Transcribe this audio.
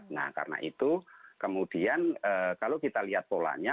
nah karena itu kemudian kalau kita lihat polanya